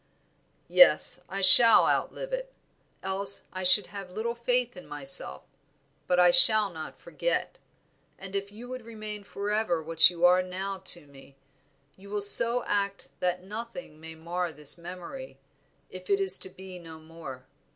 "Yes, I shall outlive it, else I should have little faith in myself. But I shall not forget; and if you would remain forever what you now are to me, you will so act that nothing may mar this memory, if it is to be no more.